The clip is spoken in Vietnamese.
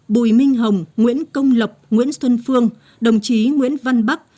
bùi minh hồng nguyễn công lập nguyễn xuân phương đồng chí nguyễn văn bắc